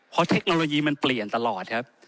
เพราะเทคโนโลยีมันเปลี่ยนตลอดครับ